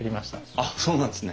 あっそうなんですね。